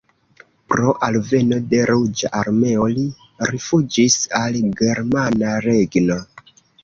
Pro alveno de Ruĝa Armeo li rifuĝis al Germana Regno.